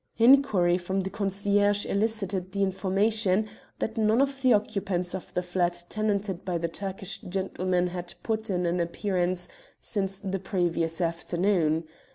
Inquiry from the concierge elicited the information that none of the occupants of the flat tenanted by the Turkish gentlemen had put in an appearance since the previous afternoon.